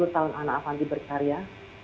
tiga puluh tahun anak avanti berkarya